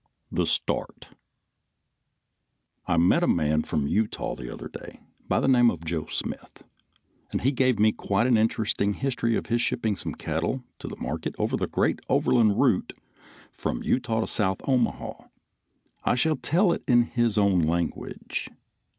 THE START. I met a man from Utah the other day by the name of Joe Smith, and he gave me quite an interesting history of his shipping some cattle to market over the great Overland route from Utah to South Omaha. I shall tell it in his own language.